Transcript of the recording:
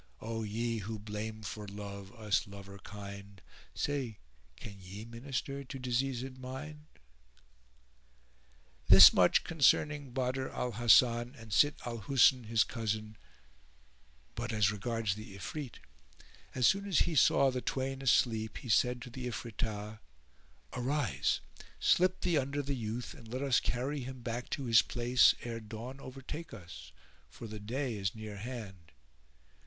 O ye who blame for love us lover kind * Say, can ye minister to diseasèd mind? This much concerning Badr al Hasan and Sitt al Husn his cousin; but as regards the Ifrit, as soon as he saw the twain asleep, he said to the Ifritah, "Arise, slip thee under the youth and let us carry him back to his place ere dawn overtake us; for the day is nearhand."